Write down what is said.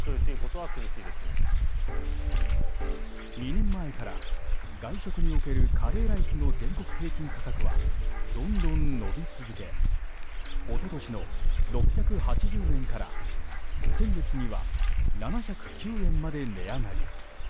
２年前から、外食におけるカレーライスの全国平均価格はどんどん伸び続け一昨年の６８０円から先月には７０９円まで値上がり。